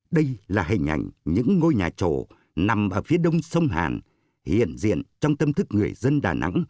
đây là hình ảnh những ngôi nhà trổ nằm ở phía đông sông hàn hiện diện trong tâm thức người dân đà nẵng